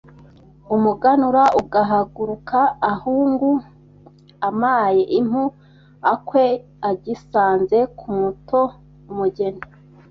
Umuganura ugahaguruka Ahungu amaye impu A’akwe agisanze ku Mutsoe Umugeni